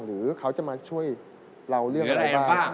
หรือเขาจะมาช่วยเราเรื่องอะไรบ้าง